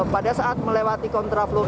pada saat melewati kontraflow